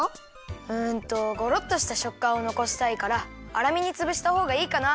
うんとゴロっとしたしょっかんをのこしたいからあらめにつぶしたほうがいいかな。